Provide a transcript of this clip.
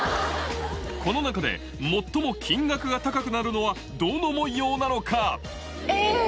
この中で最も金額が高くなるのはどの文様なのか？